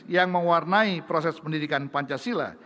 yang mewarnai proses pendidikan pancasila